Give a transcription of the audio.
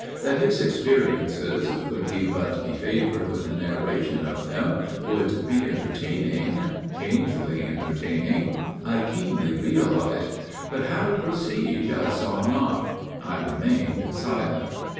That his experiences, could we but be favored with a narration of them, would be entertaining, painfully entertaining, I keenly realized; but how to proceed I saw not. I remained silent.